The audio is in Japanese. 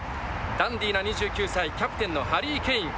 ダンディーな２９歳、キャプテンのハリー・ケイン。